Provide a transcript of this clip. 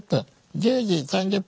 １０時３０分！